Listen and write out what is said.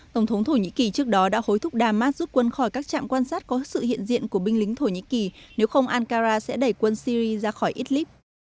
tổng thống thổ nhĩ kỳ trước đó đã hối thúc đa mát rút quân khỏi các trạm quan sát có sự hiện diện của binh lính thổ nhĩ kỳ nếu không ankara sẽ đẩy quân syri ra khỏi idlib